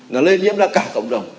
nó lên nhiễm ra cả cộng đồng